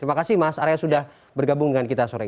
terima kasih mas arya sudah bergabung dengan kita sore